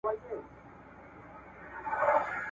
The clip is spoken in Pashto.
شپې تر سهاره یې سجدې کولې `